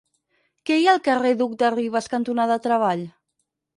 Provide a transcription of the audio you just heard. Què hi ha al carrer Duc de Rivas cantonada Treball?